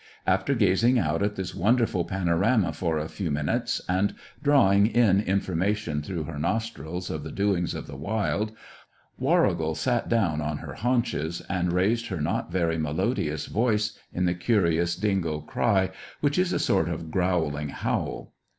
After gazing out at this wonderful panorama for a few minutes and drawing in information through her nostrils of the doings of the wild, Warrigal sat down on her haunches and raised her not very melodious voice in the curious dingo cry, which is a sort of growling howl.